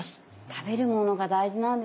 食べるものが大事なんですね。